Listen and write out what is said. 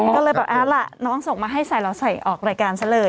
ก็เลยแบบเอาล่ะน้องส่งมาให้ใส่แล้วใส่ออกรายการซะเลย